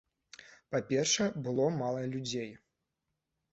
Па-першае, было мала людзей.